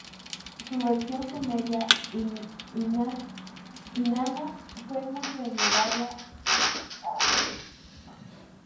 Su versión sumeria, Inanna, fue muy venerada a partir del reinado de Sargón.